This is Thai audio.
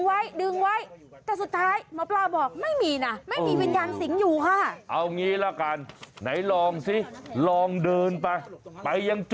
เพื่อสัมผัสดูว่ามีวิญญาณสิงห์อยู่ไหม